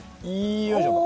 よいしょと！